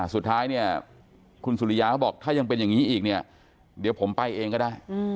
สุดท้ายเนี่ยคุณสุริยาเขาบอกถ้ายังเป็นอย่างนี้อีกเนี่ยเดี๋ยวผมไปเองก็ได้